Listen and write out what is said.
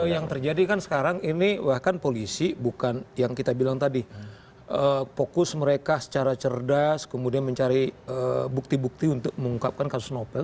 yang terjadi kan sekarang ini bahkan polisi bukan yang kita bilang tadi fokus mereka secara cerdas kemudian mencari bukti bukti untuk mengungkapkan kasus novel